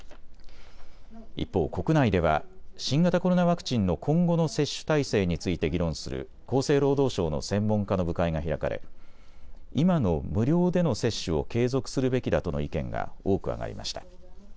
一方、国内では新型コロナワクチンの今後の接種体制について議論する厚生労働省の専門家の部会が開かれ今の無料での接種を継続するべきだとの意見が多く上がりました。